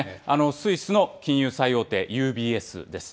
スイスの金融最大手、ＵＢＳです。